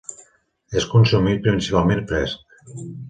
És consumit principalment fresc.